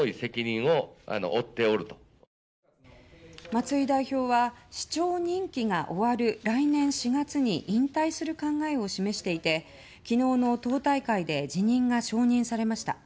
松井代表は市長任期が終わる来年４月に引退する考えを示していて昨日の党大会で辞任が承認されました。